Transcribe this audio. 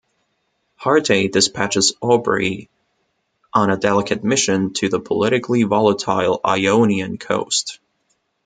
Harte dispatches Aubrey on a delicate mission to the politically volatile Ionian coast.